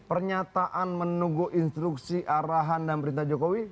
pernyataan menunggu instruksi arahan dan perintah jokowi